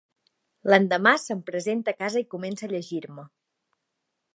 L'endemà se'm presenta a casa i comença a llegir-me